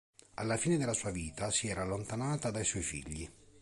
Alla fine della sua vita, si era allontanata dai suoi figli.